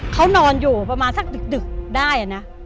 เขานอนอยู่ประมาณสักดึกได้นะ